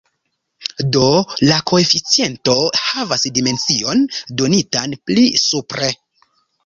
Do la koeficiento havas dimension donitan pli supre.